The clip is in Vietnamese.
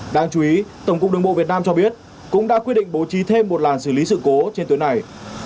đáng chú ý tổng cục đường bộ việt nam cho biết cũng đã quyết định bố trí thêm một làn xử lý sự cố trên tuyến này